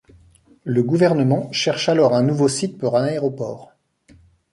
Le gouvernement cherche alors un nouveau site pour un aéroport.